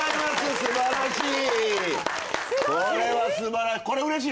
すごい！これはすばらしい。